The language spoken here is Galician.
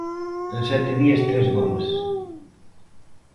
En sete días tres goles.